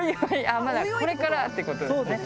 あっまだこれからってことですね。